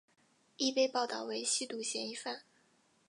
亦被报导为吸毒嫌疑犯。